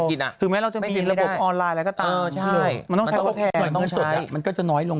มีแล้วเอา้อนไลน์และโทรไขต้องใช้เข้าถ่ายมันก็จะน้อยลง